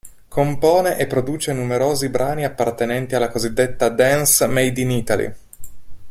Compone e produce numerosi brani appartenenti alla cosiddetta “Dance made in Italy”.